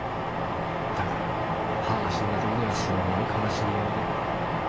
だから母が死んだ時にはすごい悲しみようで。